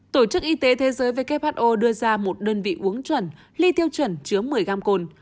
tổ chức y tế thế giới who đưa ra một đơn vị uống chuẩn ly tiêu chuẩn chứa một mươi gram cồn